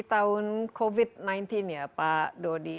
tahun covid sembilan belas ya pak dodi